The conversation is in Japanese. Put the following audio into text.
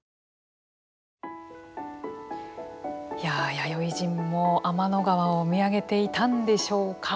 弥生人も天の川を見上げていたんでしょうか。